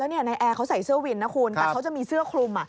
แล้วในแอร์เขาใส่เส้าวินเขาก็จะมีเสื้อคลุม